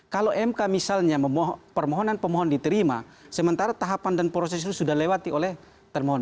kalau mk misalnya permohonan pemohon diterima sementara tahapan dan proses itu sudah lewati oleh termohon